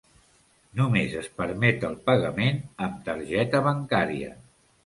Només es permet el pagament amb targeta bancària.